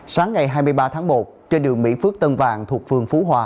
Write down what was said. sáng ngày hai mươi ba tháng một trên đường mỹ phước tân vàng thuộc phường phú hòa